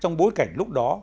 trong bối cảnh lúc đó